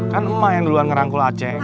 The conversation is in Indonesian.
kan emak yang duluan ngerangkul aceh